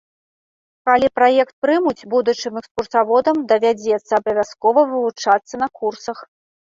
Калі праект прымуць, будучым экскурсаводам давядзецца абавязкова вывучыцца на курсах.